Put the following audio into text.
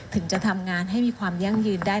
ถึงจะทำงานให้มีความยั่งยืนได้